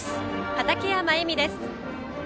畠山衣美です。